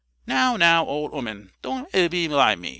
"Now, now, old 'oman, don't 'ee belie me.